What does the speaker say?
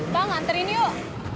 pak nganterin yuk